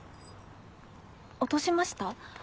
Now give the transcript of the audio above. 落としました？